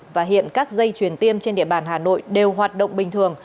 và hiện các dây chuyển tiêm trên địa bàn hà nội đều hoạt động bình thường